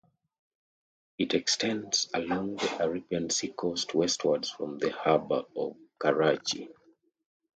It extends along the Arabian Sea coast westwards from the harbour of Karachi.